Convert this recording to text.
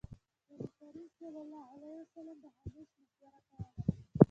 نبي کريم ص به همېش مشوره کوله.